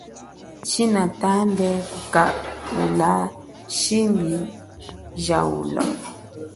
Tshinatamba kukaula shimbi ja ulo.